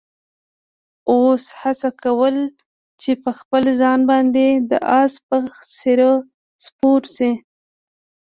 اوښ هڅه کوله چې په خپل ځان باندې د اس په څېر سپور شي.